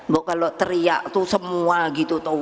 bok kalau teriak tuh semua gitu tuh